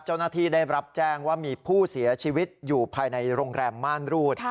เจ้าหน้าที่ได้รับแจ้งว่ามีผู้เสียชีวิตอยู่ภายในโรงแรมม่านรูด